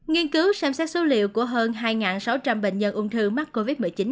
nghiên cứu xem xét số liệu của hơn hai sáu trăm linh bệnh nhân ung thư mắc covid một mươi chín